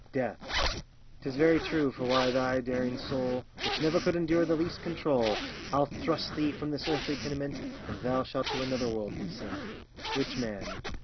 DEATH. 'Tis very true, for why thy daring soul, Which never could endure the least control, I'll thrust thee from this earthly tenement, And thou shalt to another world be sent. RICH MAN.